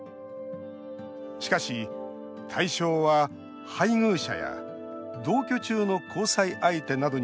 しかし、対象は配偶者や同居中の交際相手などによる暴力。